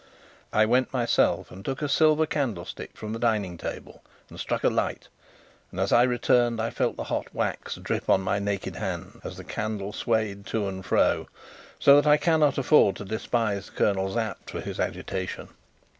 I went myself, and took a silver candlestick from the dining table and struck a light, and, as I returned, I felt the hot wax drip on my naked hand as the candle swayed to and fro; so that I cannot afford to despise Colonel Sapt for his agitation.